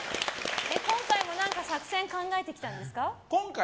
今回も作戦考えてきたんですか？